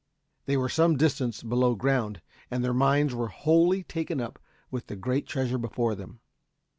They were some distance below ground, and their minds were wholly taken up with the great treasure before them.